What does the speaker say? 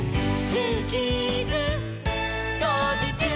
「ジューキーズこうじちゅう！」